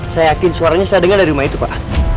saya yakin suaranya saya dengar dari rumah itu pak